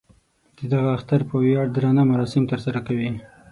د دغه اختر په ویاړ درانه مراسم تر سره کوي.